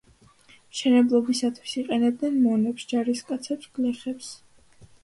მშენებლობისათვის იყენებდნენ მონებს, ჯარისკაცებს, გლეხებს.